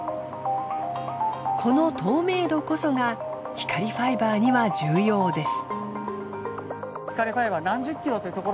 この透明度こそが光ファイバーには重要です。